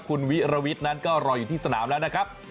คุณวิรวิทย์นั้นก็รออยู่ที่สนามแล้วนะครับ